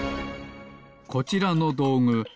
こちらのどうぐ